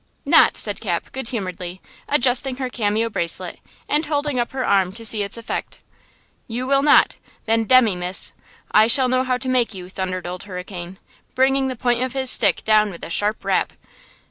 "Not," said Cap, good humoredly adjusting her cameo bracelet and holding up her arm to see its effect. "You will not! Then, demmy, miss, I shall know how to make you!" thundered Old Hurricane, bringing the point of his stick down with a sharp rap.